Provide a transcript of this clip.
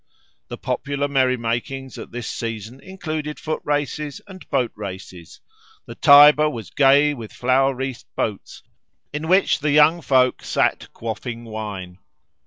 The popular merrymakings at this season included foot races and boat races; the Tiber was gay with flower wreathed boats, in which young folk sat quaffing wine.